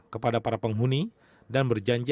kepada para penghuni dan berjanji